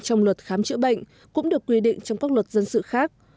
trong luật khám chữa bệnh cũng được quy định trong các luật dân sự khác